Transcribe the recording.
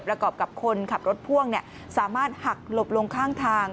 ประกอบกับคนขับรถพ่วงสามารถหักหลบลงข้างทาง